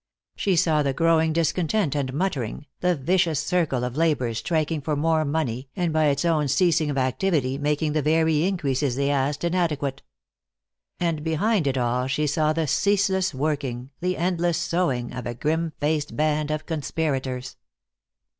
She saw the growing discontent and muttering, the vicious circle of labor striking for more money, and by its own ceasing of activity making the very increases they asked inadequate. And behind it all she saw the ceaseless working, the endless sowing, of a grim faced band of conspirators.